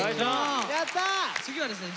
（川次はですね